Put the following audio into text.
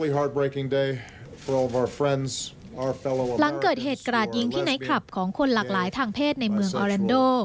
หลังเกิดเหตุกราดยิงที่ไนท์คลับของคนหลากหลายทางเพศในเมืองออแลนโด